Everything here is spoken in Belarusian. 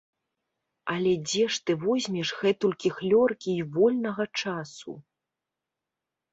Але дзе ж ты возьмеш гэтулькі хлёркі й вольнага часу.